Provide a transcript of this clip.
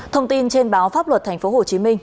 thông tin trên báo pháp luật tp hcm